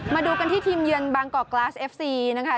มาดูกันที่ทีมเยือนบางกอกกลาสเอฟซีนะคะ